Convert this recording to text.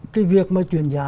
cái việc mà chuyển giá